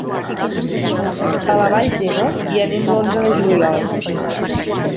A la Vall d'Ebo hi anem l'onze de juliol.